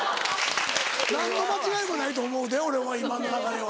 何の間違いもないと思うで俺は今の流れは。